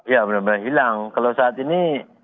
ya benar benar hilang kalau saat ini